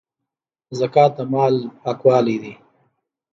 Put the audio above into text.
زکات د مال پاکوالی دی